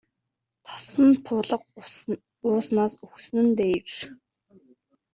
Тосон туулга ууснаас үхсэн нь дээр.